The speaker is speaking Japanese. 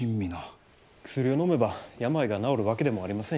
薬をのめば病が治るわけでもありませんしね。